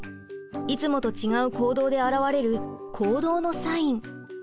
いつもと違う行動で表れる行動のサイン。